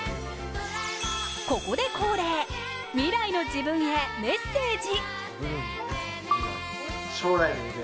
ここで恒例、未来の自分へメッセージ。